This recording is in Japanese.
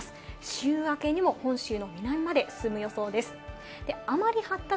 週明けにも本州の南まで進む予想です。